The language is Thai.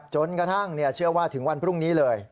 จนกระทั่งเชื่อว่าถึงวันพรุ่งนี้เลย